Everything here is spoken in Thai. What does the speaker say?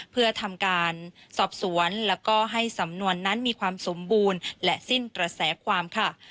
เพื่อทำการสอบสวนแล้วก็ให้สำนวนนั้นมีความสมบูรณ์และสิ้นกระแสความค่ะ